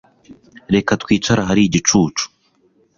Reka twicare ahari igicucu